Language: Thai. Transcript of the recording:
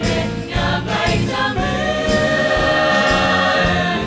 เห็นยังไงจะเหมือน